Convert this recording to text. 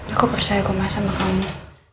aku percaya gue mah sama kamu